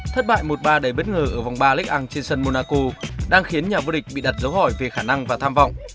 thất bại một ba đầy bất ngờ ở vòng ba ligue một trên sân monaco đang khiến nhà vua địch bị đặt dấu hỏi về khả năng và tham vọng